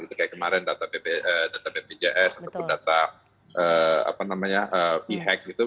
itu kayak kemarin data bpjs atau data vhack gitu